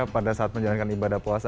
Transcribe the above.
pada saat menjalankan ibadah puasa